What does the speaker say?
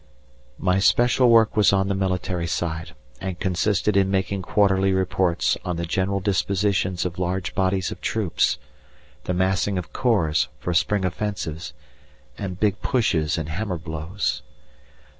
My special work was on the military side, and consisted in making quarterly reports on the general dispositions of large bodies of troops, the massing of corps for spring offensives, and big pushes and hammer blows.